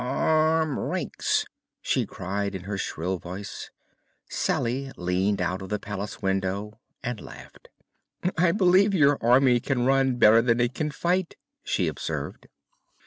"Form ranks!" she cried in her shrill voice. Salye leaned out of the palace window and laughed. "I believe your Army can run better than it can fight," she observed.